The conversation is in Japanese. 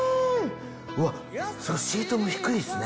うわシートも低いっすね。